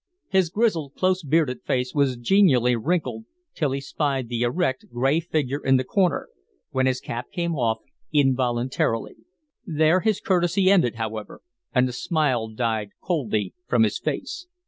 His grizzled, close bearded face was genially wrinkled till he spied the erect, gray figure in the corner, when his cap came off involuntarily. There his courtesy ended, however, and the smile died coldly from his face.